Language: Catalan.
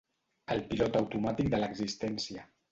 El pilot automàtic de l'existència.